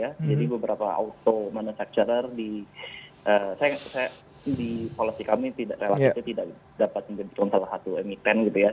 jadi beberapa auto manufacturer di polisi kami tidak dapat menjadi salah satu emiten gitu ya